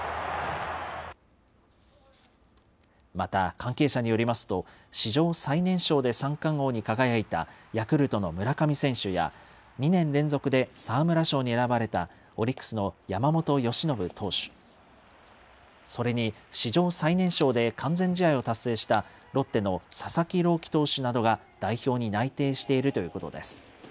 また関係者によりますと、史上最年少で三冠王に輝いたヤクルトの村上選手や、２年連続で沢村賞に選ばれたオリックスの山本由伸投手、それに史上最年少で完全試合を達成したロッテの佐々木朗希投手などが代表に内定しているということです。